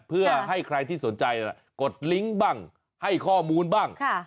เพื่อให้ใครที่สนใจกดลิงก์บ้างให้ข้อมูลบ้าง